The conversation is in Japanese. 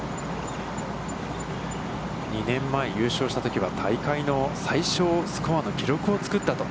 ２年前、優勝したときは、大会の最少スコアの記録をつくったと。